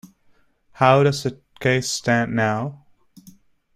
How does the case stand now?